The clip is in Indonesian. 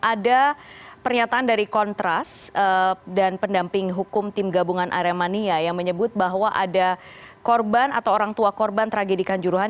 ada pernyataan dari kontras dan pendamping hukum tim gabungan aremania yang menyebut bahwa ada korban atau orang tua korban tragedi kanjuruhan